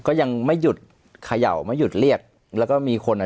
ก็ยังไม่หยุดเขย่าไม่หยุดเรียกแล้วก็มีคนอ่ะ